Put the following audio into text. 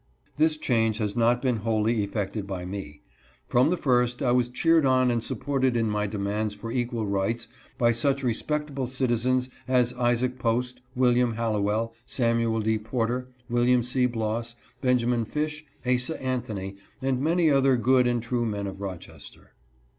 This change has not been wholly effected by me. From the first I was, cheered on and supported in my demands for equal rights by such respectable citizens as Isaac Post, Wm, Hallowell, Samuel D. Porter, Wm. C. Bloss, Benj. Fish, Asa Anthony, and many other good and true men of Rochester.